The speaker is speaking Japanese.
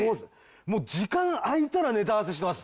もう時間空いたらネタ合わせしてます